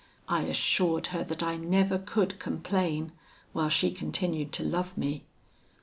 I assured her that I never could complain, while she continued to love me.